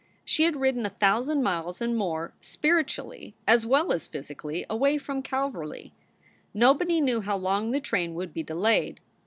She had ridden a thousand miles and more, spiritually as well as physically, away from Calverly. Nobody knew how long the train would be delayed.